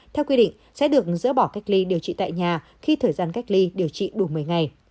theo quy định sẽ được dỡ bỏ cách ly điều trị tại nhà khi thời gian cách ly điều trị đủ một mươi ngày